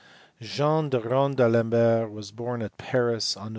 Jean le Rond D Alembert, was born at Paris on Nov.